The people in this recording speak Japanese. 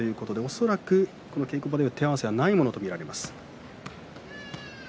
恐らく稽古場では手合わせはないものと見られます。